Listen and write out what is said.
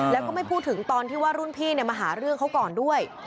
แล้วก็ไม่พูดถึงตอนที่ว่ารุ่นพี่มาหาเรื่องเขาก่อนด้วย